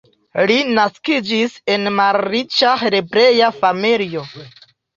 Li naskiĝis en malriĉa hebrea familio.